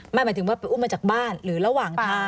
หมายถึงว่าไปอุ้มมาจากบ้านหรือระหว่างทาง